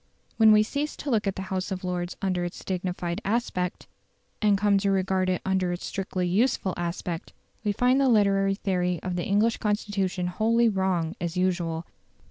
When we cease to look at the House of Lords under its dignified aspect, and come to regard it under its strictly useful aspect, we find the literary theory of the English Constitution wholly wrong, as usual.